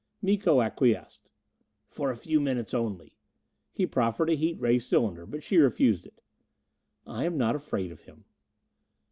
Miko acquiesced. "For a few minutes only." He proffered a heat ray cylinder, but she refused it. "I am not afraid of him."